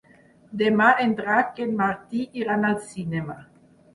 Demà en Drac i en Martí iran al cinema.